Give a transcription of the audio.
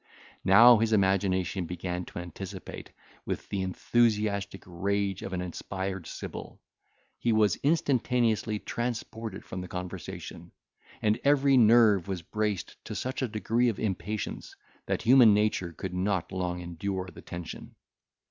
Now his imagination began to anticipate with the enthusiastic rage of an inspired sibyl; he was instantaneously transported from the conversation, and every nerve was braced to such a degree of impatience, that human nature could not long endure the tension.